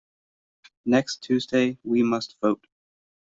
Next Tuesday we must vote.